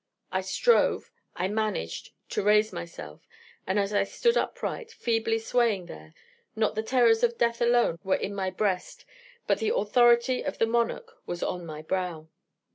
I strove I managed to raise myself: and as I stood upright, feebly swaying there, not the terrors of death alone were in my breast, but the authority of the monarch was on my brow.